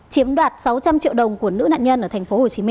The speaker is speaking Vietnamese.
chiếm đoạt sáu trăm linh triệu đồng của nữ nạn nhân ở tp hcm